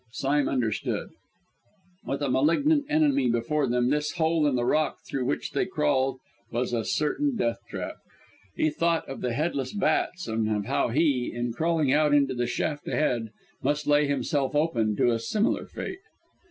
Sime understood. With a malignant enemy before them, this hole in the rock through which they crawled was a certain death trap. He thought of the headless bats and of how he, in crawling out into the shaft ahead, must lay himself open to a similar fate!